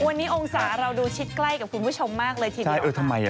วันนี้องศาเราดูชิดใกล้กับคุณผู้ชมมากเลยทีเดียวทำไมอ่ะ